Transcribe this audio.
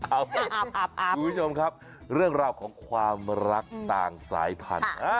คุณผู้ชมครับเรื่องราวของความรักต่างสายพันธุ์